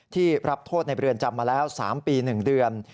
ที่รับโทษในเรือนจำมาแล้ว๓ปี๑เดือน